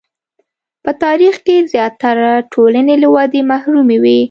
په تاریخ کې زیاتره ټولنې له ودې محرومې وې.